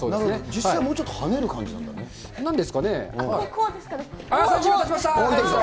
実際、もうちょっと跳ねる感なんですかね。